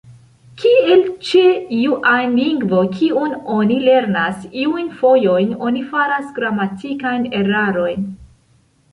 Kiel ĉe iu ajn lingvo kiun oni lernas, iujn fojojn oni faras gramatikajn erarojn.